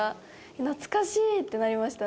懐かしい！ってなりましたね。